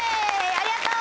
ありがとう！